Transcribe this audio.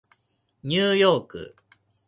ニューヨーク